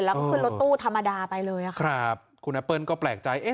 แล้วก็ขึ้นรถตู้ธรรมดาไปเลยอ่ะค่ะครับคุณแอปเปิ้ลก็แปลกใจเอ๊ะ